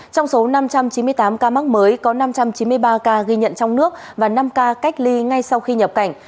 trong số năm trăm chín mươi tám ca mắc mới có năm trăm chín mươi ba ca ghi nhận trong nước và năm ca cách ly ngay sau khi nhập cảnh